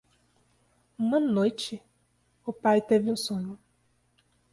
Uma noite? o pai teve um sonho.